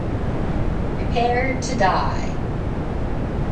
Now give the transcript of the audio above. Prepare to die.